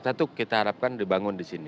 satu kita harapkan dibangun di sini